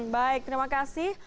baik terima kasih